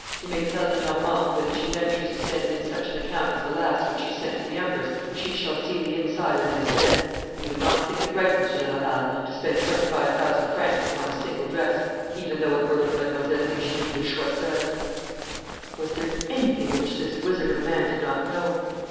You may tell Lenormand that if she ventures to send in such an account as the last which she sent to the Empress she shall see the inside of Vincennes. You would not think it right, Monsieur de Laval, to spend twenty five thousand francs upon a single dress, even though it were for Mademoiselle Eugenie de Choiseul.' Was there anything which this wizard of a man did not know?